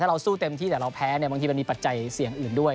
เราสู้เต็มที่แต่เราแพ้เนี่ยบางทีมันมีปัจจัยเสี่ยงอื่นด้วย